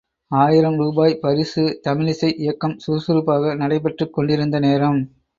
ஆயிரம் ரூபாய் பரிசு தமிழிசை இயக்கம் சுறுசுறுப்பாக நடைபெற்றுக் கொண்டிருந்த நேரம்.